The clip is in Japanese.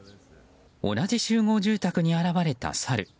同じ集合住宅に現れたサル。